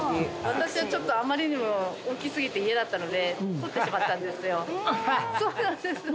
私はちょっとあまりにも大きすぎて嫌だったので取ってしまったんですよそうなんです